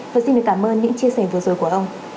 và xin được cảm ơn những chia sẻ vừa rồi